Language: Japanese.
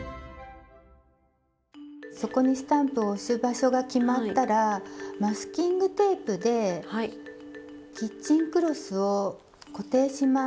そこにスタンプを押す場所が決まったらマスキングテープでキッチンクロスを固定します。